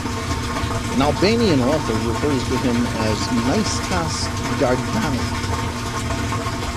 An Albanian author refers to him as "Nicetas Dardani".